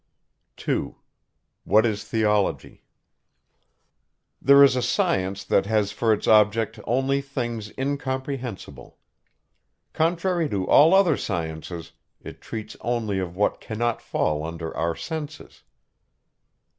2. There is a science that has for its object only things incomprehensible. Contrary to all other sciences, it treats only of what cannot fall under our senses.